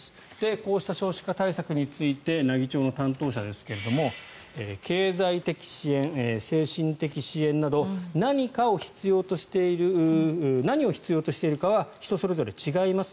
こうした少子化対策について奈義町の担当者ですが経済的支援、精神的支援など何を必要としているかは人それぞれ違います。